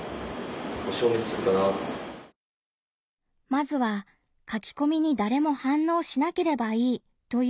まずは「書きこみにだれも反応しなければいい」という意見。